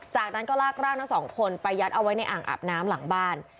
จากนั้นก็ลากร่างทั้งสองคนไปยัดเอาไว้ในอ่างอาบน้ำหลังบ้าน